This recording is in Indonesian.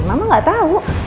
mama nggak tahu